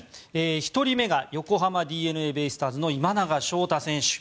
１人目が横浜ＤｅＮＡベイスターズ今永翔太選手。